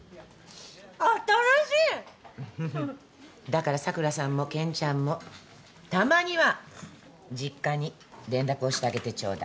だから桜さんも健ちゃんもたまには実家に連絡をしてあげてちょうだい。